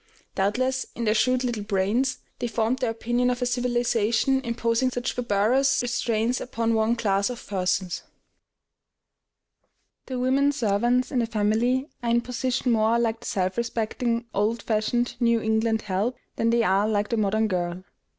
Doubtless, in their shrewd little brains, they formed their opinion of a civilization imposing such barbarous restraints upon one class of persons. The women servants in a family are in position more like the self respecting, old fashioned New England "help" than they are like the modern "girl."